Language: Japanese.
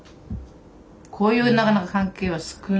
こういうなかなか関係は少ない。